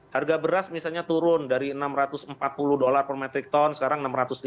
harga beras misalnya turun dari enam ratus empat puluh dolar per metric ton sekarang enam ratus tiga puluh